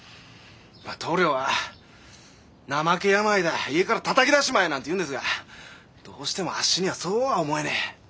棟梁は怠け病だ家からたたき出しちまえなんて言うんですがどうしてもあっしにはそうは思えねえ。